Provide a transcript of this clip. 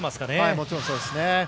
もちろんそうですね。